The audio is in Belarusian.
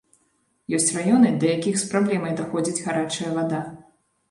Ёсць раёны, да якіх з праблемай даходзіць гарачая вада.